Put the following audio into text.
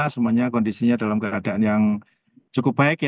semuanya kondisinya dalam keadaan yang cukup baik